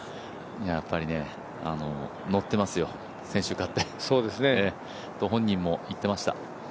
やっぱりノッてますよ、先週勝って。と本人も言ってました。